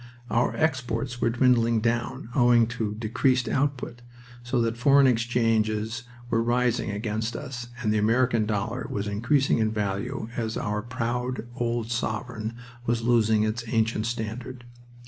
Our exports were dwindling down, owing to decreased output, so that foreign exchanges were rising against us and the American dollar was increasing in value as our proud old sovereign was losing its ancient standard.